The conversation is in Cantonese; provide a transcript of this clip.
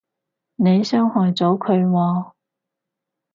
你傷害咗佢喎